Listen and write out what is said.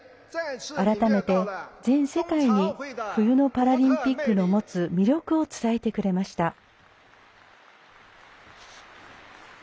改めて全世界に冬のパラリンピックの持つ魅力を伝えてくれました。